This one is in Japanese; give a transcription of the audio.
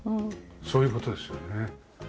そういう事ですよね。